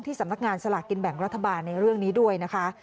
สำนักงานสลากกินแบ่งรัฐบาลในเรื่องนี้ด้วยนะคะ